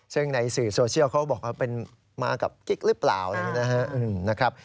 ซึ่งในสื่อโซเชียลเขาบอกว่าเป็นมากับกิ๊กหรือเปล่าอะไรอย่างนี้นะครับ